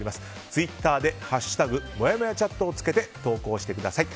ツイッターで「＃もやもやチャット」をつけて投稿してください。